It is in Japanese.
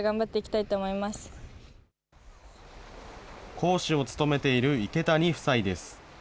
講師を務めている池谷夫妻です。